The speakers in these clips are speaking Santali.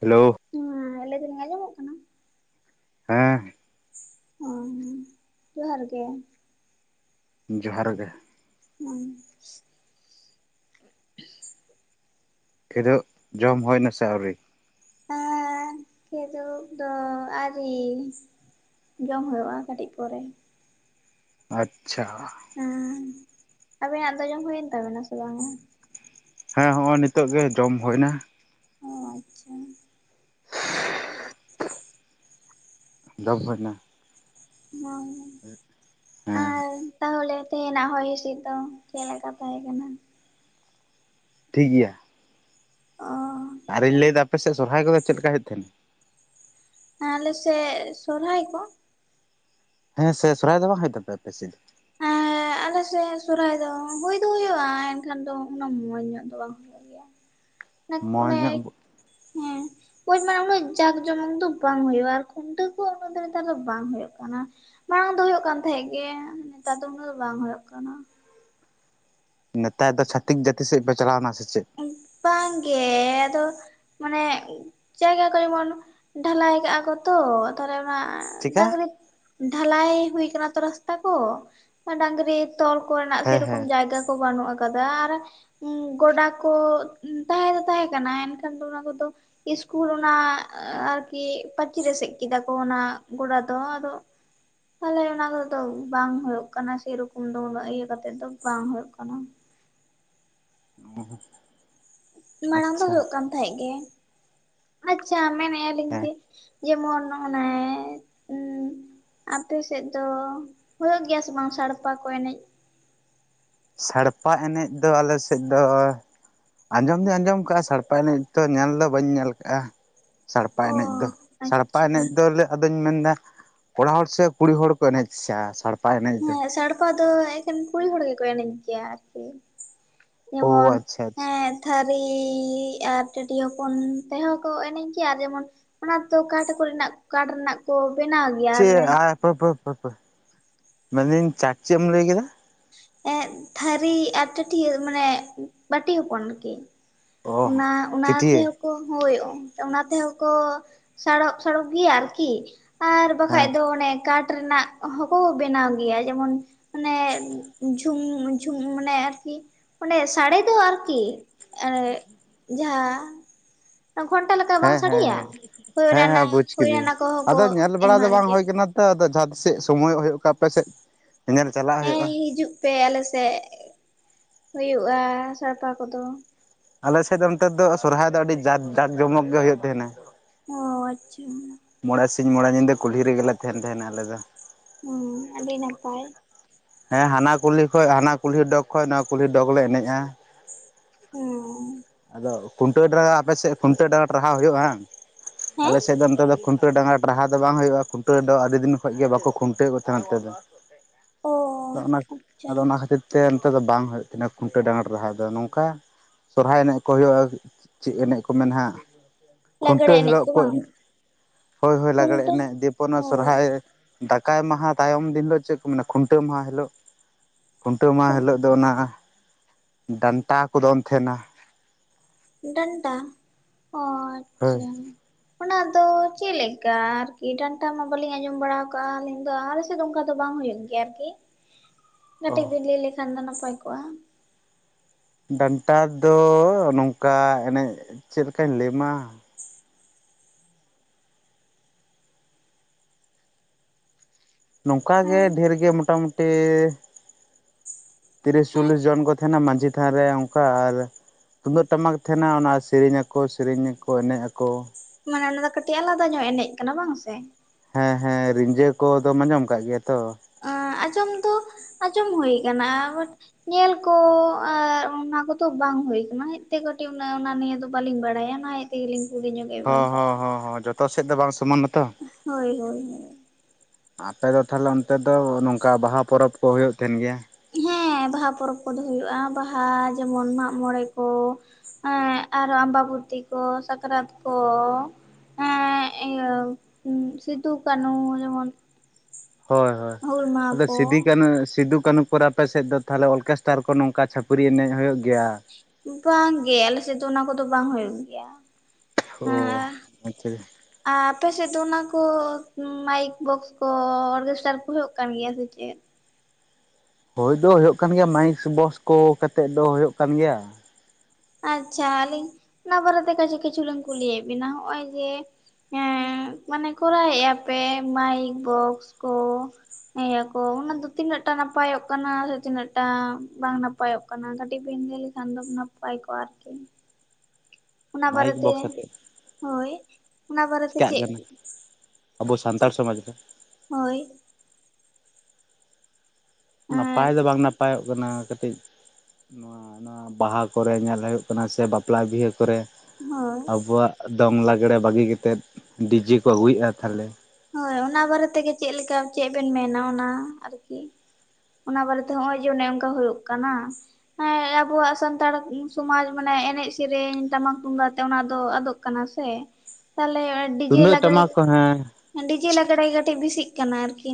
ᱦᱮᱞᱳ ᱦᱮᱸ ᱟᱞᱮ ᱫᱚᱞᱤᱧ ᱟᱸᱡᱚᱢᱚᱜ ᱠᱟᱱᱟ? ᱦᱮᱸ ᱚ ᱡᱚᱦᱟᱨ ᱜᱮ ᱡᱚᱦᱟᱨ ᱜᱮ ᱦᱩᱸ [inaudible] ᱠᱷᱮᱫᱳᱜ ᱡᱚᱢ ᱦᱳᱭ ᱱᱟᱥᱮ ᱟᱣᱨᱤ? ᱦᱮᱸ ᱠᱮᱫᱳᱵ ᱫᱚ ᱟᱣᱨᱤ᱾ ᱡᱚᱢ ᱦᱳᱭᱳᱜ-ᱟ, ᱠᱟᱹᱴᱤᱡ ᱯᱚᱨᱮ᱾ ᱟᱪᱪᱷᱟ ᱦᱮᱸ ᱾ ᱟᱵᱤᱱᱟᱜ ᱫᱚ ᱡᱚᱢ ᱦᱩᱭᱮᱱ ᱛᱟᱵᱮᱱᱟ ᱥᱮ ᱵᱟᱝᱟ? ᱦᱮᱸ ᱦᱚᱜ-ᱚᱭ ᱱᱤᱛᱚᱜ ᱜᱮ, ᱡᱚᱢ ᱦᱳᱭ ᱱᱟ᱾ ᱚᱸ ᱟᱪᱪᱷᱟ᱾ ᱡᱚᱢ ᱦᱳᱭᱱᱟ᱾ ᱦᱮᱸ ᱟᱨ ᱛᱟᱦᱚᱞᱮ ᱛᱮᱱᱟᱜ ᱦᱚᱭ ᱦᱤᱥᱤᱫ ᱫᱚ, ᱪᱮᱫ ᱞᱮᱠᱟ ᱛᱟᱸᱦᱮ ᱠᱟᱱᱟ? ᱴᱷᱤᱠ ᱜᱮᱭᱟ᱾ ᱚ ᱟᱨᱤᱧ ᱟᱪᱪᱷᱟ ᱞᱟᱹᱭ ᱫᱟ ᱾ ᱟᱯᱮ ᱥᱮᱫ ᱥᱚᱨᱦᱟᱭ ᱠᱚᱼᱫᱚ ᱪᱮᱫ ᱞᱮᱠᱟ ᱦᱩᱭᱩᱜ ᱛᱮᱦᱮᱱᱟ? ᱟᱞᱮ ᱥᱮ ᱥᱚᱨᱦᱟᱭ ᱠᱚ? ᱦᱮᱸ ᱥᱮ ᱥᱚᱨᱦᱟᱭ ᱫᱚ ᱵᱟᱝ ᱦᱩᱭᱩᱜ ᱛᱟᱯᱮᱭᱟ ᱟᱯᱮᱥᱮᱫ ᱫᱚ? ᱟᱨ [unintelligible] ᱟᱞᱮᱥᱮᱫ ᱥᱨᱦᱟᱭ ᱫᱚ, ᱦᱩᱭ ᱫᱚ ᱦᱩᱭᱩᱜ-ᱟ ᱾ ᱮᱱᱠᱷᱟᱱ ᱫᱚ ᱩᱱᱟᱹᱜ ᱢᱚᱡᱽ ᱧᱚᱜ ᱫᱚ ᱵᱟᱝ ᱦᱩᱭᱩᱼᱜ ᱜᱮᱭ-ᱟ᱾ ᱢᱚᱸᱡᱽ ᱚᱱᱮ ᱧᱚᱜ ᱦᱮᱸ ᱠᱩᱡ ᱢᱮ ᱩᱱᱟᱹᱜ ᱡᱟᱠ ᱡᱚᱢᱚᱠ ᱫᱚ ᱵᱟᱝ ᱦᱩᱭᱩᱜ-ᱟ ᱾ ᱟᱨ ᱠᱷᱩᱱᱴᱟᱹ ᱠᱚᱦᱚᱸ ᱩᱱᱟᱹᱜ ᱫᱚ, ᱱᱮᱛᱟᱨ ᱫᱚ ᱵᱟᱝ ᱦᱳᱭᱳᱜ ᱠᱟᱱᱟ᱾ ᱢᱟᱲᱟᱝ ᱫᱚ ᱦᱳᱭᱩᱜ ᱠᱟᱱ ᱛᱟᱦᱮᱸᱫ ᱜᱮ, ᱱᱮᱛᱟᱨ ᱫᱚ ᱩᱱᱟᱹᱜ ᱫᱚ ᱵᱟᱝ ᱦᱳᱭᱳᱼᱜ ᱠᱟᱱᱟ᱾ ᱱᱮᱛᱟᱨ ᱫᱚ ᱪᱷᱟᱛᱤᱠ ᱡᱟᱹᱛᱤ ᱥᱮᱫ ᱯᱮ, ᱪᱟᱞᱟᱣᱱᱟ ᱥᱮ ᱪᱮᱫ? ᱵᱟᱝᱜᱮ ᱟᱫᱚ ᱢᱟᱱᱮ ᱪᱟᱭᱜᱟ ᱠᱚ ᱡᱮᱢᱚᱱ, ᱰᱷᱟᱞᱟᱭ ᱠᱟᱜ-ᱟ ᱠᱚ ᱛᱚ, ᱛᱟᱦᱚᱞᱮ ᱚᱱᱟ ᱪᱤᱠᱟ ᱰᱟᱜᱽᱨᱤ, ᱰᱷᱟᱞᱟᱭ ᱦᱩᱭ ᱠᱟᱱᱟ ᱛᱚ ᱨᱟᱥᱛᱟ ᱠᱚ ᱰᱟᱜᱽᱨᱤ ᱛᱚᱞ ᱠᱚᱨᱮᱱᱟᱜ ᱥᱮ ᱦᱮᱸ ᱨᱚᱠᱚᱢ ᱦᱮᱸ ᱡᱟᱭᱜᱟ ᱠᱚ ᱵᱟᱹᱱᱩᱜ ᱟᱠᱟᱫᱟ᱾ ᱟᱨ ᱜᱚᱰᱟ ᱠᱚ ᱛᱟᱦᱮᱸ ᱫᱚ ᱛᱟᱦᱮᱸ ᱠᱟᱱᱟ᱾ ᱮᱱᱠᱷᱟᱱ ᱫᱚ ᱚᱱᱟ ᱠᱚᱫᱚ ᱤᱥᱠᱩᱞ ᱚᱱᱟ ᱟᱨᱠᱤ ᱯᱟᱹᱪᱤᱨ ᱮᱥᱮᱫ ᱠᱮᱫᱟ ᱠᱚ ᱚᱱᱟ ᱜᱚᱰᱟ ᱫᱚ ᱟᱫᱚ ᱛᱟᱦᱞᱮ ᱚᱱᱟ ᱠᱚᱨᱮ ᱫᱚ ᱵᱟᱝ ᱦᱳᱭᱳᱜ ᱠᱟᱱᱟ ᱥᱮᱭ ᱨᱚᱠᱚᱢ ᱫᱚ ᱩᱱᱟᱹᱜ ᱤᱭᱟᱹ ᱠᱟᱛᱮᱜ ᱫᱚ ᱵᱟᱝ ᱦᱳᱭᱳᱜ ᱠᱟᱱᱟ᱾ ᱚ ᱢᱟᱲᱟᱝ ᱫᱚ ᱦᱳᱭᱳᱜ ᱠᱟᱱ ᱛᱟᱸᱦᱮᱫ ᱜᱮ ᱟᱪᱪᱷᱟ ᱢᱮᱱ ᱟᱭᱹᱞᱤᱧ ᱦᱮᱸ ᱡᱮ ᱡᱮᱢᱚᱱ ᱚᱱᱮ ᱟᱯᱮ ᱥᱮᱫ ᱫᱚ ᱦᱳᱭᱳᱜ ᱜᱮᱭᱟ ᱥᱮ ᱵᱟᱝ ᱥᱟᱲᱯᱟ ᱠᱚ ᱮᱱᱮᱡ? ᱥᱟᱲᱯᱟ ᱮᱱᱮᱡ ᱫᱚ ᱟᱞᱮ ᱥᱮᱫ ᱫᱚ ᱟᱸᱡᱚᱢ ᱫᱚᱩᱧ ᱟᱸᱡᱚᱢ ᱠᱟᱜᱼᱟ ᱥᱟᱲᱯᱟ ᱮᱱᱮᱡ ᱛᱚ ᱧᱮᱞ ᱫᱚ ᱵᱟᱹᱧ ᱧᱮᱞ ᱠᱟᱜᱼᱟ᱾ ᱥᱟᱲᱯᱟ ᱚ ᱮᱱᱮᱡ ᱫᱚ ᱥᱟᱲᱯᱟ ᱟᱪᱪᱷᱟ ᱮᱱᱮᱡ ᱫᱚ ᱟᱫᱚᱧ ᱢᱮᱱ ᱫᱟ ᱠᱚᱲᱟ ᱦᱚᱲ ᱥᱮ ᱠᱩᱲᱤ ᱦᱚᱲ ᱠᱚ ᱮᱱᱮᱡ ᱥᱟ ᱥᱟᱲ ᱦᱮᱸ ᱥᱟᱲᱯᱟ ᱫᱚ ᱮᱠᱷᱮᱱ ᱠᱩᱲᱤ ᱦᱚᱲ ᱜᱮᱠᱚ ᱮᱱᱮᱡ ᱜᱮᱭᱟ ᱟᱨᱠᱤ᱾ ᱚ ᱡᱮᱢᱚᱱ ᱟᱪᱪᱷᱟ ᱟᱪᱪᱷᱟ ᱦᱮᱸ ᱛᱷᱟᱹᱨᱤ ᱟᱨ ᱴᱟᱹᱴᱭᱟᱹ ᱦᱚᱯᱚᱱ ᱛᱮᱦᱚᱸ ᱠᱚ ᱮᱱᱮᱡ ᱜᱮᱭᱟ ᱟᱨ ᱡᱮᱢᱚᱱ ᱚᱱᱟ ᱛᱚ ᱠᱟᱴ ᱠᱚᱨᱮᱱᱟᱜ ᱠᱟᱴ ᱨᱮᱱᱟᱜ ᱠᱚ ᱵᱮᱱᱟᱣ ᱜᱮᱭᱟ ᱟᱨ ᱯᱳ ᱯᱳ ᱯᱳ ᱯᱳᱭ ᱢᱮᱱᱫᱤᱧ ᱪᱟ ᱪᱮᱫ ᱮᱢ ᱞᱟᱹᱭ ᱠᱮᱫᱟ? ᱛᱷᱟᱹᱨᱤ ᱟᱨ ᱴᱟᱹᱴᱭᱟᱹ ᱢᱟᱱᱮ ᱵᱟᱹᱴᱤ ᱦᱚᱯᱚᱱ ᱟᱨᱠᱤ᱾ ᱚ ᱚᱱᱟ ᱚᱱᱟ ᱪᱤᱴᱭᱟᱹ ᱛᱮᱦᱚ ᱠᱚ ᱦᱳᱭ ᱚᱱᱟ ᱛᱮᱦᱚᱸ ᱠᱚ ᱥᱟᱲᱚᱯ ᱥᱟᱲᱚᱯ ᱜᱮᱭᱟ ᱟᱨᱠᱤ ᱟᱨ ᱵᱟᱠᱷᱟᱡ ᱦᱮᱸ ᱫᱚ ᱚᱱᱮ ᱠᱟᱴᱷ ᱨᱮᱱᱟᱜ ᱦᱚᱸᱠᱚ ᱵᱮᱱᱟᱣ ᱜᱮᱭᱟ ᱡᱮᱢᱚᱱ ᱢᱟᱱᱮ ᱡᱷᱩ ᱢᱷᱩᱢ ᱢᱟᱱᱮ ᱟᱨᱠᱤ ᱚᱱᱮ ᱥᱟᱰᱮ ᱫᱚ ᱟᱨᱠᱤ᱾ ᱮᱻᱨ ᱡᱟᱦᱟᱸ ᱜᱷᱚᱱᱴᱟ ᱞᱮᱠᱟ ᱵᱟᱝ ᱦᱮᱸ ᱦᱮᱸ ᱥᱟᱰᱮᱭᱟ ᱦᱮᱸ ᱦᱳᱭ ᱦᱮᱸ ᱦᱮᱸ ᱱᱟᱱᱟᱼᱜ ᱵᱩᱡᱽ ᱦᱳᱭ ᱠᱤᱫᱟᱹᱧ ᱱᱟᱱᱟᱼᱜ ᱠᱚᱦᱚᱸ ᱠᱚ ᱟᱫᱚ ᱧᱮᱞ ᱵᱟᱲᱟ ᱫᱚ ᱮᱢᱟᱜ ᱵᱟᱝ ᱜᱮᱭᱟ᱾ ᱦᱩᱭ ᱠᱟᱱᱟ ᱟᱫᱚ ᱡᱟᱦᱟᱸ ᱛᱤᱥᱮᱫ ᱥᱚᱢᱚᱭᱚᱜ ᱦᱩᱭᱩᱜ ᱠᱟᱜ ᱟᱯᱮᱥᱮᱫ ᱧᱮᱧᱮᱞ ᱪᱟᱞᱟᱜ ᱦᱮᱸ ᱦᱳᱭᱩᱜᱼᱟ᱾ ᱦᱤᱡᱩᱜ ᱯᱮ ᱟᱞᱮᱥᱮᱫ ᱦᱩᱭᱩᱜᱼᱟ ᱥᱟᱲᱯᱟ ᱠᱚᱫᱚ᱾ ᱟᱞᱮᱥᱮᱫ ᱫᱚ ᱱᱚᱱᱛᱮ ᱫᱚ ᱥᱚᱨᱦᱟᱭ ᱫᱚ ᱟᱹᱰᱤ ᱡᱟᱠ ᱡᱟᱠ ᱡᱚᱢᱚᱠ ᱜᱮ ᱦᱩᱭᱩᱜ ᱛᱟᱦᱮᱸᱱᱟ᱾ ᱚ ᱟᱪᱪᱷᱟ᱾ ᱢᱚᱬᱮ ᱥᱤᱧ ᱢᱚᱬᱮ ᱧᱤᱫᱟᱹ ᱠᱩᱞᱦᱤ ᱨᱮᱜᱮ ᱛᱟᱦᱮᱱ ᱛᱟᱦᱮᱱᱟ ᱟᱞᱮ ᱫᱚ᱾ ᱦᱩᱸ ᱟᱹᱰᱤ ᱱᱟᱯᱟᱭ᱾ ᱦᱮᱸ ᱦᱟᱱᱟ ᱠᱩᱞᱦᱤ ᱠᱷᱚᱱᱚᱡ ᱦᱟᱱᱟ ᱠᱩᱞᱦᱤ ᱰᱚᱜ ᱠᱷᱚᱱᱚᱡ ᱱᱚᱣᱟ ᱠᱩᱞᱦᱤ ᱰᱚᱜᱽ ᱞᱮ ᱮᱱᱮᱡᱼᱟ᱾ ᱚ ᱟᱫᱚ ᱠᱷᱩᱱᱴᱟᱹᱣ ᱰᱟᱸᱨᱲᱴᱟ ᱟᱯᱮᱥᱮᱫ ᱠᱷᱩᱱᱴᱟᱹᱣ ᱰᱟᱸᱜᱟ ᱴᱟᱨᱦᱟᱣ ᱦᱩᱭᱩᱜᱼᱟ ᱦᱟᱝ, ᱦᱮᱸ ᱟᱞᱮᱥᱮᱫ ᱫᱚ ᱱᱚᱛᱮ ᱫᱚ ᱠᱷᱩᱱᱴᱟᱹᱣ ᱰᱟᱝᱨᱟ ᱰᱟᱦᱟ ᱫᱚ ᱵᱟᱝ ᱦᱩᱭᱩᱜᱼᱟ ᱠᱷᱩᱱᱴᱟᱹᱣ ᱫᱚ ᱟᱹᱰᱤ ᱫᱤᱱ ᱠᱷᱚᱱ ᱜᱮ ᱵᱟᱠᱚ ᱠᱷᱩᱱᱴᱟᱹᱣ ᱠᱚ ᱛᱟᱦᱮᱸᱱᱟ ᱱᱚᱛᱮᱫ ᱫᱚ᱾ ᱚ ᱟᱫᱚ ᱚᱱᱟ ᱟᱪᱪᱷᱟ ᱟᱫᱚ ᱚᱱᱟ ᱠᱷᱟᱹᱛᱤᱨ᱾ ᱚᱱᱛᱮ ᱫᱚ ᱵᱟᱝ ᱦᱩᱭᱩᱜ ᱛᱤᱧᱟᱹ ᱠᱷᱩᱱᱴᱟᱹᱣ ᱰᱟᱝᱟᱲ ᱨᱟᱦᱟ ᱫᱚ ᱱᱚᱝᱠᱟ ᱥᱚᱨᱦᱟᱭ ᱮᱱᱮᱡ ᱠᱚ ᱦᱩᱭᱩᱜᱼᱟ ᱪᱮᱫ ᱮᱱᱮᱡ ᱠᱚ ᱢᱮᱱ ᱦᱸᱟᱜ ᱠᱷᱩᱱᱴᱟᱹᱣ ᱦᱤᱞᱳᱜ ᱠᱚ ᱮᱱᱮᱡ ᱦᱳᱭ ᱦᱳᱭ ᱞᱟᱜᱽᱲᱮ ᱠᱷᱩᱱᱴᱟᱹᱣ ᱮᱱᱮᱡ ᱫᱤᱭᱮᱯᱚᱨ ᱥᱚᱨᱦᱟᱭ ᱦᱳᱭ ᱫᱟᱠᱟᱭ ᱢᱟᱦᱟ ᱛᱟᱭᱚᱢ ᱫᱤᱱ ᱦᱤᱞᱳᱜ ᱪᱮᱫ ᱠᱚ ᱢᱮᱱᱟ ᱠᱷᱩᱱᱴᱟᱹᱣ ᱢᱟᱦᱟ ᱦᱤᱞᱳᱜ᱾ ᱠᱷᱩᱱᱴᱟᱹᱣ ᱢᱟᱦᱟ ᱦᱤᱞᱟᱹᱜ ᱫᱚ ᱚᱱᱟ ᱰᱟᱱᱴᱟ ᱠᱚ ᱫᱚᱱ ᱛᱟᱦᱮᱱᱟ᱾ ᱰᱟᱱᱰᱟ ᱚ ᱦᱳᱭ ᱟᱪᱪᱷᱟ᱾ ᱚᱱᱟ ᱫᱚ ᱪᱮᱫᱠᱟ ᱟᱨᱠᱤ ᱰᱟᱱᱴᱟ ᱢᱟ ᱵᱟᱟᱹᱞᱤᱧ ᱟᱸᱡᱚᱢ ᱵᱟᱲᱟ ᱠᱟᱜᱼᱟ ᱟᱹᱞᱤᱧ ᱫᱚ ᱟᱨ ᱫᱚ ᱚᱱᱠᱟ ᱫᱚ ᱵᱟᱝ ᱦᱩᱭᱩᱜ ᱜᱮᱭᱟ ᱟᱨᱠᱤ ᱠᱟᱹᱴᱤᱡ ᱚ ᱵᱮᱤᱱ ᱞᱟᱹᱭ ᱞᱮᱠᱷᱟᱱ ᱫᱚ ᱱᱟᱯᱟᱭ ᱠᱚᱜᱼᱟ᱾ ᱰᱟᱱᱴᱟ ᱫᱚ ᱱᱚᱝᱠᱟ ᱮᱱᱮᱡ ᱪᱮᱫ ᱞᱮᱠᱟᱧ ᱞᱟᱹᱭᱟᱢᱟ ᱱᱚᱝᱠᱟᱜᱮ ᱰᱷᱮᱨ ᱜᱮ ᱢᱳᱴᱟᱢᱩᱴᱤ ᱛᱤᱨᱤᱥ ᱪᱚᱞᱞᱤᱥ ᱡᱚᱱ ᱠᱚ ᱛᱟᱦᱮᱱᱟ ᱢᱺᱡᱷᱤ ᱛᱷᱟᱱ ᱨᱮ ᱚᱱᱠᱟ ᱟᱨ ᱛᱩᱢᱫᱟᱹᱜ ᱴᱟᱢᱟᱠ ᱛᱟᱦᱮᱱᱟ ᱚᱱᱟ ᱥᱮᱨᱮᱧ ᱟᱠᱚ ᱥᱮᱨᱮᱧᱟᱚ ᱮᱱᱮᱡ ᱟᱠᱚ᱾ ᱢᱟᱱᱮ ᱚᱱᱟ ᱫᱚ ᱠᱟᱹᱴᱤᱡ ᱟᱞᱟᱫᱟ ᱧᱚᱜ ᱮᱱᱮᱡ ᱠᱟᱱᱟ ᱵᱟᱝ ᱥᱮ? ᱦᱮᱸ ᱦᱮᱸ ᱨᱤᱡᱟᱹ ᱠᱚᱫᱚᱢ ᱟᱸᱡᱚᱢ ᱠᱟᱜ ᱜᱮᱭᱟ ᱛᱚ? ᱟᱸᱡᱚᱢ ᱫᱚ ᱟᱸᱡᱚᱢ ᱦᱩᱭ ᱟᱠᱟᱱᱟ, ᱵᱟᱴ ᱧᱮᱞ ᱠᱚ ᱟᱨ ᱚᱱᱟ ᱠᱚᱫᱚ ᱵᱟᱝ ᱦᱩᱭ ᱠᱟᱱᱟᱛᱮ ᱠᱟᱹᱴᱤᱡ ᱩᱜ ᱚᱱᱟ ᱱᱤᱭᱟᱹᱮ ᱫᱚ ᱵᱟᱹᱞᱤᱧ ᱵᱟᱲᱟᱭᱟ, ᱚᱱᱟ ᱛᱜᱞᱤᱧ ᱠᱩᱞᱤᱧᱟ ᱦᱚᱸ ᱦᱚᱸ ᱦᱚᱸ ᱡᱚᱛᱚ ᱥᱮᱫ ᱫᱚ ᱵᱟᱝ ᱥᱚᱢᱟᱱᱟ ᱛᱚ ᱦᱳᱭ ᱦᱳᱭ ᱦᱳᱭ, ᱟᱯᱮᱚ ᱛᱟᱦᱚᱞᱮ ᱚᱱᱛᱮ ᱫᱚ ᱱᱚᱝᱠᱟ ᱵᱟᱦᱟ ᱯᱚᱨᱚᱵᱽ ᱠᱚ ᱦᱩᱭᱩᱜ ᱛᱟᱦᱮᱱ ᱜᱮᱭᱟ? ᱦᱮᱸ ᱵᱟᱦᱟ ᱯᱚᱨᱚᱵᱽ ᱠᱚᱫᱚ ᱦᱩᱭᱩᱜᱼᱟ, ᱵᱟᱦᱟ ᱡᱮᱢᱚᱱ ᱢᱟᱜ ᱢᱚᱬᱮ ᱠᱚ ᱦᱮᱸ ᱟᱨᱚ ᱟᱢᱵᱟᱵᱩᱨᱛᱤ ᱠᱚ ᱥᱟᱠᱨᱟᱛ ᱠᱚ, ᱦᱮᱸ ᱤᱭᱟᱹ ᱥᱤᱫᱩ ᱠᱟᱹᱱᱩ ᱡᱮᱢᱚᱱ ᱦᱳᱭ ᱦᱳᱭ ᱦᱩᱞ ᱢᱟᱦᱟ ᱟᱫᱚ ᱠᱚ ᱥᱤᱫᱩ ᱠᱟᱹᱱᱩ ᱥᱤᱫᱩ ᱠᱟᱹᱱᱦᱩ ᱠᱚ ᱟᱯᱮᱮᱥᱮᱫ ᱫᱚ ᱛᱟᱦᱚᱞᱮ ᱚᱨᱠᱮᱥᱴᱟᱨ ᱠᱚ ᱱᱚᱝᱠᱟ ᱪᱷᱟᱹᱯᱟᱹᱨᱤ ᱮᱱᱮᱡ ᱦᱩᱭᱩᱜ ᱜᱮᱭᱟ? ᱵᱟᱝᱜᱮ ᱟᱞᱮ ᱥᱮᱫ ᱫᱚ ᱚᱱᱟ ᱠᱚᱫᱚ ᱵᱟᱝ ᱦᱩᱭᱩᱜ ᱜᱮᱭᱟ ᱾ ᱚ ᱟᱪᱪᱷᱟ ᱾ ᱟᱨ ᱟᱯᱮᱥᱮᱫ ᱫᱚ ᱚᱱᱟ ᱠᱚ ᱢᱟᱭᱤᱠ ᱵᱚᱠᱥ ᱠᱚ ᱚᱨᱜᱮᱥᱴᱟᱨ ᱠᱚ ᱦᱩᱭᱩᱜ ᱠᱟᱱ ᱜᱮᱭᱟ ᱥᱮ ᱪᱮᱫ? ᱦᱳᱭ ᱫᱚ ᱦᱩᱭᱩᱜ ᱠᱟᱱ ᱜᱮᱭᱟ, ᱢᱟᱭᱤᱠ ᱵᱚᱥ ᱠᱚ ᱠᱟᱛᱮᱫ ᱫᱚ ᱦᱩᱭᱩᱜ ᱠᱟᱱ ᱜᱮᱭᱟ ᱾ ᱟᱪᱪᱷᱟ ᱟᱹᱞᱤᱧ ᱚᱱᱟ ᱵᱟᱨᱮᱛᱮ ᱠᱤᱪᱷᱩ ᱠᱤᱪᱷᱩ ᱞᱤᱧ ᱠᱩᱞᱤᱭᱮᱫ ᱵᱤᱱᱟ ᱦᱚᱜᱼᱚᱭ ᱡᱮ ᱦᱮᱸ ᱢᱟᱱᱮ ᱠᱚᱨᱟᱣᱮᱜᱼᱟ ᱯᱮ ᱢᱟᱭᱤᱠ ᱵᱚᱠᱥ ᱠᱚ ᱦᱮᱸᱭᱟᱠᱚ ᱚᱱᱟ ᱫᱚ ᱛᱤᱱᱟᱹᱜ ᱴᱟ ᱱᱟᱯᱟᱭᱚᱜ ᱠᱟᱱᱟ ᱥᱮ? ᱛᱤᱱᱟᱹᱜ ᱴᱟ ᱵᱟᱝ ᱱᱟᱯᱟᱭ ᱱᱟᱯᱟᱭᱚᱜ ᱠᱟᱱᱟ ᱠᱟᱹᱴᱤᱡ ᱵᱮᱤᱱᱤᱫᱟᱹᱭ ᱞᱮᱠᱷᱟᱱ ᱫᱚ ᱱᱟᱯᱟᱭ ᱠᱚᱜᱼᱟ ᱟᱨᱠᱤ ᱾ ᱚᱱᱟ ᱢᱟᱭᱤᱠ ᱵᱟᱨᱮᱛᱮ ᱵᱚᱠᱥ ᱦᱳᱭ ᱾ ᱪᱤᱠᱟᱜ ᱠᱟᱱᱟ ᱟᱵᱚ ᱥᱟᱱᱛᱟᱲ ᱪᱮᱫ ᱥᱚᱢᱟᱡᱽ ᱨᱮ ᱾ ᱦᱳᱭ, ᱦᱳᱭ ᱱᱟᱯᱟᱭ ᱫᱚ ᱵᱟᱝ ᱱᱟᱯᱟᱭᱚᱜ ᱠᱟᱱᱟ, ᱠᱟᱹᱴᱤᱡ ᱱᱚᱣᱟ ᱱᱚᱣᱟ ᱵᱟᱦᱟ ᱠᱚᱨᱮ ᱧᱮᱞ ᱦᱩᱭᱩᱜ ᱠᱟᱱᱟ ᱥᱮ ᱵᱟᱯᱞᱟ ᱵᱤᱦᱟᱹ ᱠᱚᱨᱮ ᱟᱵᱚᱣᱟᱜ ᱫᱚᱝ ᱞᱟᱜᱽᱬᱮ ᱵᱟᱹᱜᱤ ᱠᱟᱛᱮᱜ ᱰᱤᱡᱮ ᱠᱚ ᱟᱹᱜᱩᱭᱮᱫᱼᱟ ᱛᱟᱞᱦᱮ ᱦᱳᱭ ᱚᱱᱟ ᱵᱟᱨᱮ ᱛᱮᱜᱮ ᱪᱮᱫ ᱞᱮᱠᱟ ᱪᱮᱫ ᱵᱮᱱ ᱢᱮᱱᱟ ᱚᱱᱟ ᱟᱨᱠᱤ, ᱚᱱᱟ ᱵᱟᱨᱮᱛᱮ ᱱᱚᱜᱼᱚᱭ ᱡᱮ ᱚᱱᱮ ᱚᱱᱠᱟ ᱦᱩᱭᱩᱜ ᱠᱟᱱᱟ ᱾ ᱦᱮᱸ ᱟᱵᱚᱣᱟᱜ ᱥᱟᱱᱛᱟᱲ ᱥᱚᱢᱟᱡᱽ ᱢᱟᱱᱮ ᱮᱱᱮᱡ ᱥᱮᱨᱮᱧ ᱴᱟᱢᱟᱠ ᱛᱩᱢᱫᱟᱜ ᱛᱮ ᱚᱱᱟ ᱫᱚ ᱟᱫᱚᱜ ᱠᱟᱱᱟ ᱥᱮ ᱛᱟᱦᱚᱞᱮ ᱰᱤᱡᱮ ᱛᱩᱢᱫᱟᱹᱜ ᱞᱟᱜᱽᱲᱮ ᱴᱟᱢᱟᱠ ᱠᱚ ᱦᱮᱸ ᱾ ᱰᱤᱡᱮᱞᱟᱜᱽᱲᱮ ᱠᱟᱛᱮ ᱵᱤᱥᱤᱜ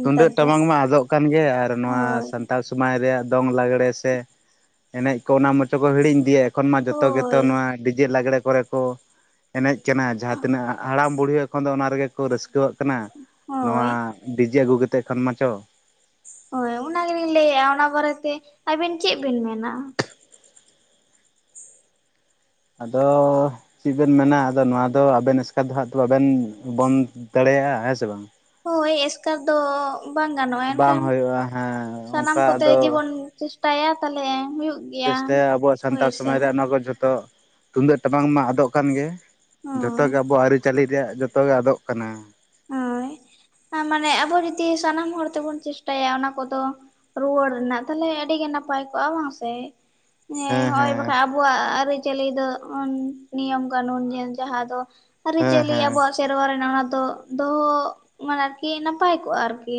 ᱛᱩᱢᱫᱟᱹᱜ ᱴᱟᱢᱟᱠ ᱢᱟ ᱟᱫᱚᱜ ᱠᱟᱱ ᱜᱮ, ᱟᱨ ᱱᱚᱣᱟ ᱦᱳᱭ ᱥᱟᱱᱛᱟᱲ ᱥᱚ ᱢᱟᱭ ᱨᱮᱭᱟᱜ ᱫᱚᱝ ᱞᱟᱜᱽᱲᱮ ᱥᱮ ᱮᱱᱮᱡ ᱠᱚ ᱚᱱᱟ ᱢᱚᱪᱚ ᱠᱚ ᱦᱤᱲᱤᱧ ᱤᱫᱤᱭᱮᱜ ᱾ ᱠᱷᱚᱱ ᱢᱟ ᱡᱚᱛᱚ ᱜᱮᱛᱚ ᱦᱳᱭ ᱱᱚᱣᱟ ᱰᱤᱡᱮ ᱞᱟᱜᱽᱲᱮ ᱠᱚᱨᱮ ᱠᱚ ᱮᱱᱮᱡ ᱠᱟᱱᱟ, ᱡᱟᱦᱟᱸ ᱛᱤᱱᱟᱹᱜ ᱦᱟᱲᱟᱢ ᱵᱩᱲᱦᱤ ᱮᱠᱷᱚᱱ ᱫᱚ ᱚᱱᱟ ᱨᱮᱜᱮ ᱠᱚ ᱨᱟᱹᱥᱠᱟᱹᱣᱟᱜ ᱠᱟᱱᱟ ᱱᱚᱣᱟ ᱦᱳᱭ ᱰᱤᱡᱮ ᱟᱹᱜᱩ ᱠᱟᱛᱮᱜ ᱠᱷᱚᱱ ᱢᱟ ᱪᱚ, ᱦᱳᱭ ᱚᱱᱟᱮᱜᱞᱤᱧ ᱞᱟᱹᱭᱮᱜᱼᱟ ᱚᱱᱟ ᱵᱟᱨᱮᱛᱮ ᱟᱹᱵᱤᱱ ᱪᱮᱫ ᱵᱤᱱ ᱢᱮᱱᱟ? ᱟᱫᱚ ᱪᱮᱫ ᱵᱮᱱ ᱢᱮᱱᱟ, ᱟᱫᱚ ᱱᱚᱣᱟ ᱫᱚ ᱟᱵᱮᱱ ᱮᱥᱠᱟᱨ ᱫᱚ ᱦᱟᱸᱜ ᱵᱟᱵᱮᱱ ᱵᱚᱱᱫᱚ ᱫᱟᱲᱮᱭᱟᱜᱼᱟ ᱦᱮᱸ ᱥᱮ ᱵᱟᱝ? ᱦᱳᱭ ᱮᱥᱠᱟᱨ ᱫᱚ ᱵᱟᱝ ᱜᱟᱱᱚᱜᱼᱟ, ᱵᱟᱝ ᱮᱱᱠᱷᱟᱱ ᱦᱩᱭᱩᱜᱼᱟ ᱦᱮᱸ ᱥᱟᱱᱟᱢ ᱚᱱᱠᱟ ᱠᱚᱛᱮ ᱟᱫᱚ ᱜᱮᱤᱵᱚᱱ ᱪᱮᱥᱴᱟᱭᱟ ᱛᱟᱦᱚᱞᱮ ᱦᱩᱭᱩᱜ ᱜᱮᱭᱟ ᱪᱮᱥᱴᱟᱭᱟ ᱟᱵᱚᱣᱟᱜ ᱦᱳᱭ ᱥᱟᱱᱛᱟᱲ ᱥᱮ ᱥᱚᱢᱟᱡᱽ ᱨᱮᱭᱟᱜ ᱱᱚᱣᱟ ᱠᱚ ᱡᱷᱚᱛᱚ ᱛᱩᱢᱫᱟᱹᱜ ᱴᱟᱢᱟᱠ ᱢᱟ ᱟᱫᱚᱜ ᱠᱟᱱ ᱜᱮ ᱦᱳᱭ ᱡᱷᱚᱛᱚᱜᱮ ᱟᱵᱚᱣᱟᱜ ᱟᱹᱨᱤᱪᱟᱹᱞᱤ ᱨᱮᱭᱟᱜ ᱡᱚᱛᱚᱜᱮ ᱟᱫᱚᱜ ᱠᱟᱱᱟ ᱾ ᱦᱳᱭ, ᱟ ᱢᱟᱱᱮ ᱟᱵᱚ ᱡᱩᱫᱤ ᱥᱟᱱᱟᱢ ᱦᱚᱲ ᱛᱮᱵᱚᱱ ᱪᱮᱥᱴᱟᱭᱟ ᱚᱱᱟ ᱠᱚᱫᱚ ᱨᱩᱣᱟᱹᱲ ᱨᱮᱱᱟᱜ, ᱛᱟᱦᱚᱞᱮ ᱟᱹᱰᱤ ᱜᱮ ᱱᱟᱯᱟᱭ ᱠᱚᱜᱼᱟ ᱵᱟᱝ ᱥᱮ! ᱦᱮᱸ ᱦᱚᱸᱜᱼ ᱚᱭ ᱵᱟᱠᱷᱟᱡ ᱟᱵᱚᱣᱟᱜ ᱟᱹᱨᱤᱪᱟᱹᱞᱤ ᱫᱚ ᱚᱱ ᱱᱤᱭᱚᱢ ᱠᱟᱹᱱᱩᱱ ᱡᱟᱦᱟᱸ ᱫᱚ ᱦᱮᱸ ᱟᱹᱨᱤᱪᱟᱹᱞᱤ ᱦᱮᱸ ᱟᱵᱚᱣᱟᱜ ᱥᱮᱨᱣᱟ ᱨᱮᱱᱟᱜ ᱚᱱᱟ ᱫᱚ ᱫᱚᱦᱚ ᱢᱟᱱᱮ ᱟᱨᱠᱤ ᱱᱟᱯᱟᱭ ᱠᱚᱜᱼᱟ ᱟᱨᱠᱤ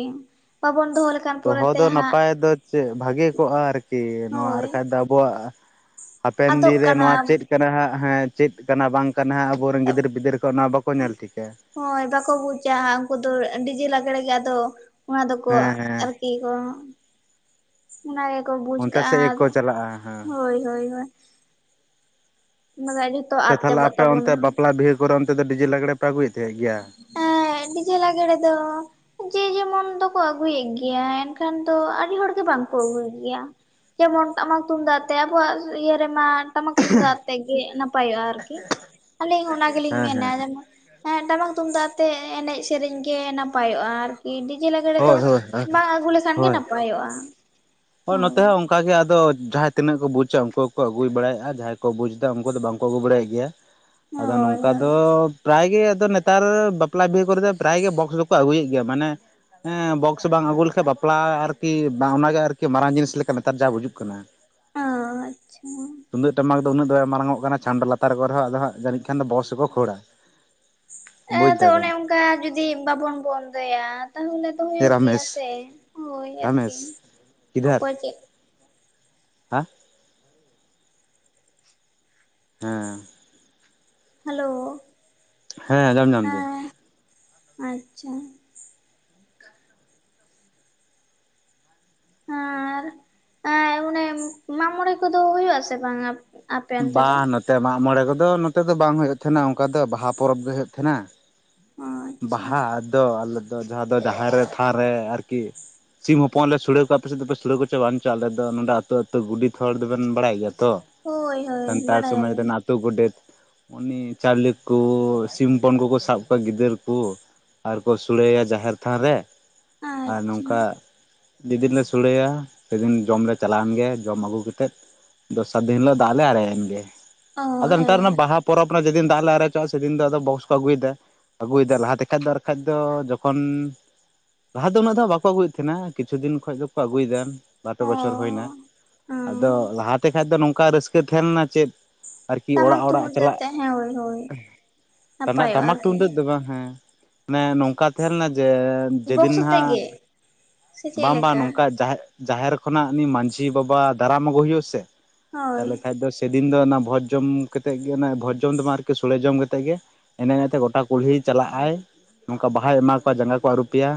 ᱵᱟᱵᱚᱱ ᱫᱚᱦᱚ ᱞᱮᱠᱷᱟᱱ ᱫᱚᱦᱚ ᱯᱚᱨᱮᱛᱮ ᱫᱚ ᱦᱟᱸᱜ ᱱᱟᱯᱟᱭ ᱟᱫᱚ ᱪᱮᱜ ᱵᱷᱟᱜᱮ ᱠᱚᱜᱼᱟ ᱟᱨᱠᱤ ᱱᱚᱣᱟ ᱦᱳᱭ ᱟᱨᱠᱷᱟᱡ ᱫᱚ ᱟᱵᱚᱣᱟᱜ ᱦᱟᱯᱮᱱ ᱟᱫᱚᱜ ᱫᱤᱱ ᱨᱮ ᱠᱟᱱᱟ ᱱᱚᱣᱟ ᱪᱮᱫ ᱠᱟᱱᱟ ᱦᱟᱸᱜ ᱦᱮᱸ, ᱪᱮᱫ ᱠᱟᱱᱟ ᱵᱟᱝ ᱠᱟᱱᱟ ᱦᱟᱸᱜ ᱟᱵᱚᱨᱮᱝ ᱜᱤᱫᱟᱹᱨ ᱯᱤᱫᱟᱹᱨ ᱠᱚ ᱚᱱᱟ ᱵᱟᱠᱚ ᱧᱮᱞ ᱴᱤᱠᱟ ᱾ ᱦᱳᱭ ᱵᱟᱠᱚ ᱵᱩᱪᱟ ᱦᱟᱸᱜ ᱩᱝᱠᱩ ᱫᱚ ᱰᱤᱡᱮ ᱞᱟᱜᱽᱲᱮ ᱜᱮ ᱟᱫᱚ ᱚᱱᱟ ᱫᱚᱠᱚ ᱦᱮᱸ ᱦᱮᱸ ᱟᱨ ᱠᱤ ᱠᱚ ᱚᱱᱟ ᱜᱮᱠᱚ ᱵᱩᱡᱽ ᱚᱱᱛᱮ ᱠᱟᱜᱼᱟ ᱥᱮᱫ ᱜᱮᱠᱚ ᱟᱫᱚ ᱪᱟᱞᱟᱜᱼᱟ ᱦᱮᱸ ᱦᱳᱭ ᱦᱳᱭ, ᱚᱱᱟ ᱫᱚ ᱟᱹᱰᱤ ᱥᱮ ᱛᱟᱦᱚᱞᱮ ᱟᱯᱮ ᱚᱱᱛᱮ ᱵᱟᱯᱞᱟ ᱵᱤᱦᱟᱹ ᱠᱚᱨᱮ ᱚᱱᱛᱮ ᱫᱚ ᱰᱤᱡᱮ ᱞᱟᱜᱽᱲᱮ ᱯᱮ ᱟᱹᱜᱩᱭᱛᱮ ᱜᱮᱭᱟ? ᱮᱸᱻ ᱰᱤᱡᱮ ᱞᱟᱜᱽᱲᱮ ᱫᱚ ᱡᱮ ᱡᱮᱢᱚᱱ ᱫᱚᱠᱚ ᱟᱹᱜᱩᱭᱮᱫ ᱜᱮᱭᱟ, ᱮᱱᱠᱷᱟᱱ ᱫᱚ ᱟᱹᱰᱤ ᱦᱚᱲᱜᱮ ᱵᱟᱝᱠᱚ ᱟᱹᱜᱩᱭ ᱜᱮᱭᱟ ᱾ ᱡᱮᱢᱚᱱ ᱴᱟᱢᱟᱠ ᱛᱩᱢᱫᱟᱜ ᱟᱛᱮ ᱟᱵᱚᱣᱟᱜ ᱤᱭᱟᱹ ᱨᱮᱢᱟ ᱴᱟᱢᱟᱠ ᱛᱩᱢᱫᱟᱜ ᱟᱛᱮᱜ ᱜᱮ ᱱᱟᱯᱟᱭᱚᱜᱼᱟ ᱟᱨᱠᱤ, ᱟᱹᱞᱤᱧ ᱚᱱᱟ ᱜᱮᱞᱤᱧ ᱦᱮᱸ ᱢᱮᱱᱟ ᱦᱮᱸ ᱡᱮᱱᱚ ᱴᱟᱢᱟᱠ ᱛᱩᱢᱫᱟᱜ ᱟᱛᱮᱫ ᱮᱱᱮᱡ ᱥᱮᱨᱮᱧ ᱜᱮ ᱱᱟᱯᱟᱭᱚᱜᱼᱟ ᱟᱨ ᱠᱤ, ᱰᱤᱡᱮ ᱞᱟᱜᱽᱬᱮ ᱫᱚ ᱦᱳᱭ ᱦᱳᱭ ᱵᱟᱝ ᱟᱹᱜᱩ ᱞᱮᱠᱷᱟᱱ ᱜᱮ ᱱᱟᱯᱟᱭᱚᱜᱼᱟ ᱾ ᱦᱚᱭ ᱱᱚᱛᱮ ᱦᱚᱸ ᱚᱝ ᱠᱟ ᱜᱮ ᱟᱫᱚ ᱡᱟᱦᱟᱸᱭ ᱛᱤᱱᱟᱹᱜ ᱠᱚ ᱵᱩᱡᱟ ᱳᱝᱠᱳ ᱠᱚ ᱟᱹᱜᱩᱭ ᱵᱟᱲᱟᱭᱮᱜᱼᱟ ᱡᱟᱦᱟᱸᱭ ᱠᱚ ᱵᱩᱡ ᱮᱫᱟ ᱳᱝᱠᱳ ᱫᱚ ᱵᱟᱝ ᱠᱚ ᱟᱹᱜᱩ ᱵᱟᱲᱟᱭᱮᱫ ᱜᱮᱭᱟ ᱾ [inaudible] ᱟᱫᱚ ᱱᱚᱝᱠᱟ ᱦᱳᱭ ᱫᱚ ᱯᱨᱟᱭ ᱜᱮ ᱟᱫᱚ ᱱᱮᱛᱟᱨ ᱵᱟᱯᱞᱟ ᱵᱤᱦᱟᱹ ᱠᱚᱨᱮᱫ ᱯᱨᱟᱭ ᱜᱮ ᱵᱚᱠᱥ ᱫᱚᱠᱚ ᱟᱹᱜᱩᱭᱮᱫ ᱜᱮᱭᱟ, ᱢᱟᱱᱮ ᱮᱸ ᱵᱚᱠᱥ ᱵᱟᱝ ᱟᱹᱜᱩ ᱞᱮᱠᱷᱟᱡ ᱵᱟᱯᱞᱟ ᱟᱨᱠᱤ ᱵᱟᱝ ᱚᱱᱟᱜᱮ ᱟᱨ ᱠᱮ ᱢᱟᱨᱟᱝ ᱡᱤᱱᱤᱥ ᱞᱮᱠᱟ ᱱᱮᱛᱟᱨ ᱡᱟ ᱵᱩᱡᱩᱜ ᱠᱟᱱᱟ ᱾ ᱟᱻᱪᱪᱷᱟ ᱾ ᱛᱩᱢᱫᱟᱹᱜ ᱴᱟᱢᱟᱠ ᱩᱱᱟᱹᱜ ᱫᱚ ᱵᱟᱭ ᱢᱟᱨᱟᱝᱚᱜ ᱠᱟᱱᱟ ᱪᱟᱸᱢᱰᱟ ᱞᱟᱛᱟᱨ ᱠᱚᱨᱮᱦᱚᱸ ᱟᱫᱚ ᱦᱟᱜ ᱡᱟᱹᱱᱤᱡ ᱠᱷᱟᱱ ᱵᱚᱠᱥ ᱜᱮᱠᱚ ᱠᱷᱳᱲᱟ ᱾ ᱮ ᱛᱚ ᱚᱱᱮ ᱚᱝᱠᱟ ᱡᱩᱫᱤ ᱵᱟᱵᱚᱱ ᱵᱚᱱᱫᱚᱭᱟ ᱛᱟᱦᱚᱞᱮ ᱛᱚ ᱮ ᱦᱳᱭᱳᱜ ᱜᱮᱭᱟ ᱨᱟᱢᱮᱥ ᱥᱮ ᱦᱳᱭ ᱟᱨᱠᱤ, ᱨᱟᱢᱮᱥ ᱚᱠᱚᱭ ᱪᱮᱫ ᱦᱮᱸ! ᱦᱮᱸ ᱾ ᱦᱮᱞᱳ! ᱦᱮᱸ ᱟᱸᱡᱚᱢ ᱧᱟᱢ ᱫᱟᱹᱧ ᱦᱮᱸ, ᱟᱪᱪᱷᱟ ᱾ ᱟᱨ ᱮᱻ ᱚᱱᱮ ᱢᱟᱜ ᱢᱚᱬᱮ ᱠᱚᱫᱚ ᱦᱳᱭᱳᱜᱼᱟ ᱥᱮ ᱵᱟᱝᱟ? ᱟᱯᱮ ᱚᱱᱛᱮ ᱵᱟ ᱫᱚ ᱱᱚᱛᱮ ᱢᱟᱜ ᱢᱚᱬᱮ ᱠᱚᱫᱚ ᱱᱚᱛᱮ ᱫᱚ ᱵᱟᱝ ᱦᱳᱭᱳᱜ ᱛᱟᱦᱮᱸᱱᱟ ᱚᱝᱠᱟ ᱫᱚ ᱵᱟᱦᱟ ᱯᱚᱨᱚᱵᱽ ᱜᱮ ᱦᱳᱭᱳᱜ ᱛᱟᱦᱮᱸᱱᱟ ᱚ ᱾ ᱟᱪᱪᱷᱟ ᱵᱟᱦᱟ ᱫᱚ ᱟᱞᱮ ᱫᱚ ᱡᱟᱦᱟᱸ ᱫᱚ ᱡᱟᱸᱦᱮᱨ ᱨᱮ ᱛᱷᱟᱱ ᱨᱮ ᱟᱨᱠᱤ ᱥᱤᱢ ᱦᱚᱯᱚᱱ ᱞᱮ ᱥᱚᱲᱮ ᱠᱚᱣᱟ, ᱟᱯᱮ ᱥᱮᱫ ᱫᱚ ᱯᱮ ᱥᱚᱲᱮ ᱠᱮᱪᱚ ᱵᱟᱝ ᱪᱚ ᱟᱞᱮ ᱫᱚ ᱱᱚᱰᱮ ᱟᱹᱛᱩ ᱟᱹᱛᱩ ᱜᱩᱰᱮᱛ ᱦᱚᱲ ᱫᱚᱵᱮᱱ ᱵᱟᱲᱟᱭ ᱜᱮᱭᱟ ᱛᱚ! ᱦᱳᱭ ᱾ ᱥᱟᱱᱛᱟᱲ ᱥᱚᱢᱟᱡᱽ ᱨᱮᱱ ᱟᱛᱳ ᱜᱚᱰᱮᱛ ᱾ ᱩᱱᱤ ᱪᱟᱣᱞᱮ ᱠᱚ ᱥᱤᱢ ᱦᱚᱯᱚᱱ ᱠᱚ ᱠᱚ ᱥᱟᱵ ᱠᱚᱣᱟ ᱜᱤᱫᱟᱹᱨ ᱠᱚ᱾ ᱟᱨ ᱠᱚ ᱥᱚᱲᱮᱭᱟ ᱡᱟᱸᱦᱮᱨ ᱛᱷᱟᱱ ᱨᱮ, ᱟᱨ ᱟᱪᱪᱷᱟ ᱱᱚᱝᱠᱟ ᱡᱮᱫᱤᱱ ᱞᱮ ᱥᱚᱲᱮᱭᱟ ᱥᱮᱫᱤᱱ ᱡᱚᱢ ᱞᱮ ᱪᱟᱞᱟᱣᱮᱱ ᱜᱮ ᱡᱚᱢ ᱟᱹᱜᱩ ᱠᱟᱛᱮᱫ ᱫᱚᱥᱟᱨ ᱫᱤᱱ ᱦᱤᱞᱳᱜ ᱫᱟᱜ ᱞᱮ ᱟᱨᱮᱜ ᱮᱱᱜᱮ ᱚ ᱾ ᱟᱫᱚ ᱱᱮᱛᱟᱨ ᱚᱱᱟ ᱦᱮᱸ ᱵᱟᱦᱟ ᱯᱚᱨᱚᱵᱽ ᱨᱮ ᱡᱮᱫᱤᱱ ᱫᱟᱜ ᱞᱮ ᱟᱨᱮᱪᱚᱜᱼᱟ ᱥᱮᱫᱤᱱ ᱫᱚ ᱟᱫᱚ ᱵᱚᱥᱠ ᱠᱚ ᱟᱹᱜᱩᱭᱮᱫᱟ ᱾ ᱟᱹᱜᱩᱭᱮᱫᱟ ᱞᱟᱦᱟᱛᱮ ᱠᱷᱟᱡ ᱫᱚ, ᱟᱨ ᱠᱟᱡ ᱫᱚ ᱡᱚᱠᱷᱚᱱ ᱞᱟᱦᱟ ᱫᱚ ᱩᱱᱟᱹᱜ ᱫᱚ ᱵᱟᱠᱚ ᱟᱹᱜᱩᱭᱮᱫ ᱛᱟᱸᱦᱮᱱᱟ, ᱠᱤᱪᱷᱩ ᱫᱤᱱ ᱠᱷᱚᱱᱚᱡ ᱫᱚᱠᱚ ᱟᱹᱜᱩᱭᱮᱫᱟ᱾ ᱵᱟᱨ ᱯᱮ ᱚ ᱵᱚᱪᱷᱚᱨ ᱦᱩᱭ ᱮᱱᱟ᱾ ᱚ ᱟᱫᱚ ᱞᱟᱦᱟᱛᱮ ᱠᱷᱟᱱ ᱫᱚ ᱱᱚᱝᱠᱟ ᱨᱟᱹᱥᱠᱟᱹ ᱛᱟᱦᱮᱸ ᱞᱮᱱᱟ ᱪᱮᱫ ᱟᱨᱠᱤ ᱴᱟᱢᱟᱠ ᱚᱲᱟᱜ ᱚᱲᱟᱜ ᱛᱩᱢᱫᱟᱜ ᱪᱟᱞᱟᱜ᱾ ᱟᱛᱮ ᱦᱮᱸ ᱦᱳᱭ ᱦᱳᱭ ᱴᱟᱢᱟ, ᱱᱟᱯᱟᱭᱚᱜᱼᱟ ᱴᱟᱢᱟᱠ ᱟᱨᱠᱤ ᱛᱩᱢᱫᱟᱹᱜ ᱫᱚ ᱵᱟᱝ ᱦᱮᱸ᱾ ᱢᱟᱱᱮ ᱱᱚᱝᱠᱟ ᱛᱟᱦᱮᱸ ᱞᱮᱱᱟ ᱡᱮ, ᱵᱚᱠᱥ ᱡᱮᱫᱤᱱ ᱟᱛᱮᱜ ᱱᱟᱜ ᱜᱮ ᱥᱮ ᱪᱮᱫ ᱵᱟᱝ ᱵᱟᱝ ᱞᱮᱠᱟ ᱱᱚᱝᱠᱟ ᱡᱟᱦᱟᱸ ᱡᱟᱦᱮᱨ ᱠᱷᱚᱱᱟᱜ ᱩᱱᱤ ᱢᱟᱡᱷᱤ ᱵᱟᱵᱟ ᱫᱟᱨᱟᱢ ᱟᱹᱜᱩ ᱦᱩᱭᱩᱜ-ᱟ ᱥᱮ᱾ ᱦᱳᱭ᱾ ᱟᱫᱚ ᱥᱮᱫᱤᱱ ᱫᱚ ᱚᱱᱟ ᱵᱷᱳᱡᱽ ᱡᱚᱢ ᱠᱟᱛᱮᱫ ᱜᱮ, ᱵᱷᱚᱡᱽ ᱡᱚᱢ ᱫᱚᱢ ᱵᱟᱝ ᱟᱨᱠᱤ ᱥᱳᱲᱮ ᱡᱚᱢ ᱠᱟᱛᱮᱫᱜ ᱜᱮ ᱮᱱᱮᱡ ᱮᱱᱮᱡ ᱛᱮ ᱜᱚᱴᱟ ᱠᱩᱞᱦᱤ ᱪᱟᱞᱟᱜ-ᱟᱭ, ᱱᱚᱝᱠᱟ ᱵᱟᱦᱟᱭ ᱮᱢᱟ ᱠᱚᱣᱟ ᱡᱟᱸᱜᱟ ᱠᱚ ᱟᱹᱨᱩᱯ ᱮᱭᱟ᱾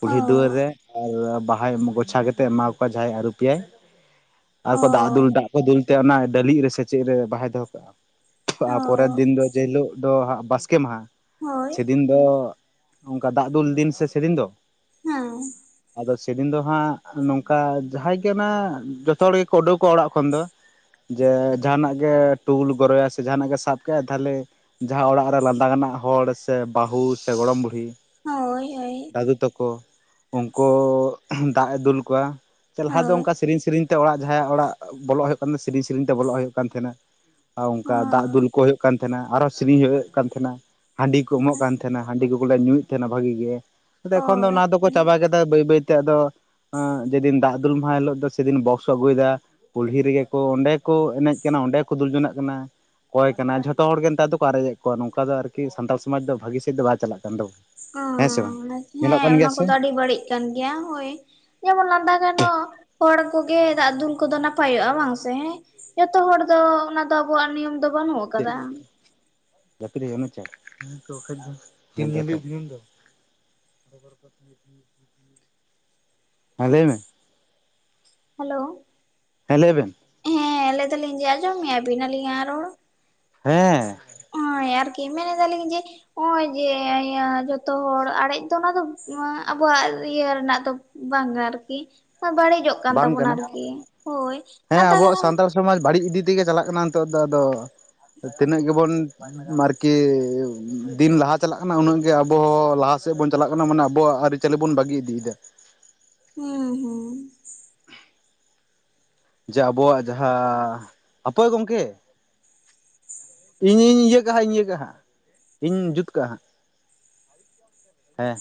ᱠᱩᱞᱦᱤ ᱫᱩᱣᱟᱹᱨ ᱚ ᱨᱮ, ᱟᱨ ᱵᱟᱦᱟᱭ ᱜᱳᱪᱷᱟ ᱠᱟᱛᱮᱫ ᱮᱢᱟ ᱠᱚᱣᱟ ᱡᱟᱦᱟᱸᱭ ᱟᱹᱨᱩᱯ‌ ᱮᱭᱟᱭ᱾ ᱟᱨ ᱠᱚ ᱫᱟᱜ ᱫᱩᱞ ᱫᱟᱜ ᱠᱚ ᱫᱩᱞᱛᱮ ᱚᱱᱟ ᱰᱟᱹᱞᱤᱡ ᱨᱮ ᱥᱮ ᱪᱮᱫ ᱨᱮ ᱵᱟᱦᱟᱭ ᱫᱚᱦᱚ ᱠᱟᱜ-ᱟ᱾ ᱛᱟᱯᱚᱨᱮᱨ ᱫᱤᱱ ᱫᱚ ᱡᱮᱦᱤᱞᱳᱜ ᱫᱚ ᱦᱟᱸᱜ ᱵᱟᱥᱠᱮ ᱢᱟᱦᱟ, ᱥᱮᱫᱤᱱ ᱟᱫᱚᱻ ᱚᱱᱠᱟ ᱫᱟᱜ ᱫᱩᱞ ᱫᱤᱱ ᱥᱮ ᱥᱮ ᱫᱤᱱ ᱫᱚ ᱦᱮᱸ, ᱟᱫᱚ ᱥᱮᱫᱤᱱ ᱫᱚ ᱦᱟᱸᱜ ᱱᱚᱝᱠᱟ ᱡᱟᱦᱟᱸᱭ ᱜᱮ ᱚᱱᱟ ᱡᱚᱛᱚ ᱦᱚᱲ ᱜᱮᱠᱚ ᱩᱰᱩᱠᱚᱣᱟᱜ ᱚᱲᱟᱜ ᱠᱷᱚᱱ ᱫᱚ᱾ ᱡᱮ ᱡᱟᱸᱦᱟᱱᱟᱜ ᱜᱮ ᱴᱩᱞ ᱜᱚᱨᱚᱭᱟ, ᱥᱮ ᱡᱟᱸᱦᱟᱱᱟᱜ ᱜᱮ ᱥᱟᱵ ᱠᱮᱜ-ᱟᱭ ᱛᱟᱦᱞᱮ ᱡᱟᱦᱟᱸ ᱚᱲᱟᱜ ᱨᱮ ᱞᱟᱸᱫᱟ ᱜᱟᱱᱟᱜ ᱦᱚᱲ ᱥᱮ ᱵᱟᱹᱦᱩ ᱥᱮ ᱜᱚᱲᱚᱢ ᱵᱩᱲᱦᱤ᱾ ᱦᱳᱭ ᱦᱳᱭ᱾ ᱫᱟᱫᱩ ᱛᱟᱠᱚ ᱩᱱᱠᱩ ᱫᱟᱜ-ᱮ ᱫᱩᱞ ᱠᱚᱣᱟ, ᱥᱮ ᱞᱟᱦᱟ ᱫᱚ ᱚᱱᱠᱟ ᱥᱤᱨᱤᱧ ᱥᱤᱨᱤᱧ ᱛᱚ ᱚᱲᱟᱜ ᱡᱟᱦᱟᱸᱭᱟᱜ ᱚᱲᱟᱜ ᱵᱚᱞᱚᱜ ᱦᱩᱭᱩᱜ ᱠᱟᱱ ᱛᱟᱸᱦᱮᱱᱟ, ᱥᱤᱨᱤᱧ ᱥᱮᱨᱮᱧ ᱛᱮ ᱵᱚᱞᱚᱜ ᱦᱩᱭᱩᱜ ᱠᱟᱱ ᱛᱟᱸᱦᱮᱱᱟ᱾ ᱟᱨ ᱚᱝᱠᱟ ᱫᱟᱜ ᱫᱩᱞ ᱠᱚ ᱦᱩᱭᱩᱜ ᱠᱟᱱ ᱛᱟᱸᱦᱮᱱᱟ, ᱟᱨᱚ ᱥᱤᱨᱤᱧ ᱦᱩᱭᱩᱜ ᱠᱟᱱ ᱛᱟᱸᱦᱮᱱᱟ ᱦᱟᱺᱰᱤ ᱠᱚ ᱮᱢᱚᱜ ᱠᱟᱱ ᱛᱟᱸᱦᱮᱱᱟ᱾ ᱚᱱᱟ ᱦᱟᱺᱰᱤ ᱠᱚᱠᱚ ᱞᱮ ᱧᱩᱭᱮᱫ ᱛᱟᱸᱦᱮᱱᱟ ᱵᱷᱟᱹᱜᱤ ᱜᱮ, ᱟᱫᱚ ᱮᱠᱷᱚᱱ ᱫᱚ ᱦᱮᱸ ᱚᱱᱟ ᱫᱚᱠᱚ ᱪᱟᱵᱟ ᱠᱮᱫᱟ ᱵᱟᱹᱭ ᱵᱟᱹᱭᱛᱮ ᱟᱫᱚ ᱮᱸ, ᱡᱮᱫᱤᱱ ᱫᱟᱜ ᱫᱩᱞ ᱢᱟᱦᱟ ᱮᱱ ᱦᱤᱞᱳᱜ ᱫᱚ ᱥᱮᱫᱤᱱ ᱵᱚᱠᱥ ᱠᱚ ᱟᱹᱜᱩᱭᱫᱟ ᱠᱩᱞᱦᱤ ᱨᱮᱜᱮ᱾ ᱠᱚ ᱚᱸᱰᱮ ᱠᱚ ᱮᱱᱮᱡ ᱠᱟᱱᱟ, ᱚᱸᱰᱮ ᱠᱚ ᱫᱩᱞ ᱡᱚᱱᱟᱜ ᱠᱟᱱᱟ᱾ ᱚᱠᱚᱭ ᱠᱟᱱᱟ, ᱡᱷᱚᱛᱚ ᱦᱚᱲ ᱜᱮ ᱱᱮᱛᱟᱨ ᱫᱚᱠᱚ ᱟᱨᱮᱡᱮᱫ ᱠᱚᱣᱟ ᱱᱚᱝᱠᱟ ᱫᱚ ᱟᱨᱠᱤ ᱥᱟᱱᱛᱟᱲ ᱥᱚᱢᱟᱡᱽ ᱫᱚ ᱵᱷᱟᱹᱜᱤ ᱥᱮᱫ ᱫᱚ ᱵᱟᱭ ᱪᱟᱞᱟᱜ ᱠᱟᱱ ᱫᱚ᱾ ᱚ, ᱦᱮᱸ [unintelligible] ᱜᱮ ᱚᱱᱟ ᱠᱚᱫᱚ ᱟᱹᱰᱤ ᱵᱟᱹᱲᱤᱡ ᱠᱟᱱ ᱜᱮᱭᱟ ᱦᱳᱭ ᱡᱮᱢᱚᱱ ᱞᱟᱸᱫᱟ ᱜᱟᱱᱚᱜ ᱦᱚᱲ ᱠᱚᱜᱮ ᱫᱟᱜ ᱫᱩᱞ ᱠᱚᱫᱚ ᱱᱟᱯᱟᱭᱚᱜ-ᱟ ᱵᱟᱝ ᱥᱮ ᱦᱮᱸ᱾ ᱡᱷᱚᱛᱚ ᱦᱚᱲ ᱫᱚ ᱚᱱᱟ ᱫᱚ ᱟᱵᱚᱣᱟᱜ ᱱᱤᱭᱚᱢ ᱫᱚ ᱵᱟᱹᱱᱩᱜ ᱪᱮᱫ ᱟᱠᱟᱫᱟ᱾ [unintelligible] ᱦᱮᱸ ᱞᱟᱹᱭ ᱢᱮ᱾ ᱦᱮᱞᱳ, ᱦᱮᱸ ᱞᱟᱹᱭ ᱵᱮᱱ᱾ ᱦᱮᱸ ᱞᱟᱹᱭ ᱫᱟᱹᱞᱤᱧ ᱡᱮ ᱟᱸᱡᱚᱢᱮᱜ-ᱟ ᱵᱤᱱ ᱟᱹᱞᱤᱧᱟ ᱨᱚᱲ? ᱦᱮᱸ᱾ ᱦᱮᱸ ᱟᱨᱠᱤ ᱢᱮᱱ ᱮᱫᱟ ᱞᱤᱧ ᱡᱮ ᱦᱚᱸᱜ-ᱚᱭ ᱡᱮ ᱤᱭᱟᱹ ᱡᱚᱛᱚ ᱦᱚᱲ ᱟᱲᱮᱡ ᱫᱚ ᱚᱱᱟ ᱫᱚ ᱟᱵᱚᱣᱟᱜ ᱤᱭᱟᱹ ᱨᱮᱱᱟᱜ ᱫᱚ ᱵᱟᱝᱟ ᱟᱨᱠᱤ, ᱵᱟᱹᱲᱤᱡᱚᱜ ᱠᱟᱱ ᱵᱟᱝ ᱛᱟᱵᱚᱱᱟ ᱠᱟᱱᱟ ᱟᱨᱠᱤ ᱦᱳᱭ, ᱦᱮᱸ ᱟᱵᱚᱣᱟᱜ ᱥᱟᱱᱛᱟᱲ [unintelligible] ᱥᱚᱢᱟᱡᱽ ᱵᱟᱹᱲᱤᱡ ᱤᱫᱤ ᱛᱮᱜᱮ ᱪᱟᱞᱟᱜ ᱠᱟᱱᱟ ᱱᱤᱛᱚᱜ ᱫᱚ ᱟᱫᱚ ᱛᱤᱱᱟᱹᱜ ᱜᱮᱵᱚᱱ ᱢᱟᱨᱠᱤ ᱫᱤᱱ ᱞᱟᱦᱟ ᱪᱟᱞᱟᱜ ᱠᱟᱱᱟ ᱩᱱᱟᱹᱜ ᱜᱮ ᱟᱵᱚ ᱞᱟᱦᱟ ᱥᱮᱫ ᱵᱚᱱ ᱪᱟᱞᱟᱜ ᱠᱟᱱᱟ ᱢᱟᱱᱮ ᱟᱵᱚᱣᱟᱜ ᱟᱨᱤ ᱪᱟᱹᱞᱮ ᱵᱚᱱ ᱵᱟᱜᱤ ᱤᱫᱤᱭᱫᱟ᱾ ᱦᱩᱸ ᱦᱩᱸ᱾ ᱡᱮ ᱟᱵᱚᱣᱟᱜ ᱡᱟᱦᱟᱸ, ᱦᱟᱯᱳᱭ ᱜᱚᱝᱠᱮ᱾ ᱤᱧᱤᱧ ᱤᱭᱟᱹ ᱠᱟᱜ-ᱟ ᱦᱟᱸᱜ, ᱤᱭᱟᱹ ᱠᱟᱜ-ᱟ ᱦᱟᱸᱜ, ᱤᱧᱤᱧ ᱡᱩᱛ ᱠᱟᱜ-ᱟ ᱦᱟᱸᱜ ᱦᱮᱸ᱾